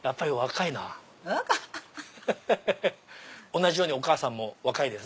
同じようにお母さんも若いです。